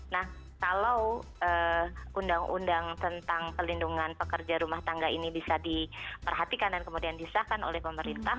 nah kalau undang undang tentang pelindungan pekerja rumah tangga ini bisa diperhatikan dan kemudian disahkan oleh pemerintah